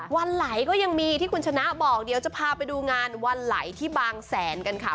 วันไหลก็ยังมีที่คุณชนะบอกเดี๋ยวจะพาไปดูงานวันไหลที่บางแสนกันค่ะ